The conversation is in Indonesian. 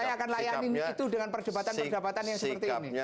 saya akan layanin itu dengan perdebatan perdebatan yang seperti ini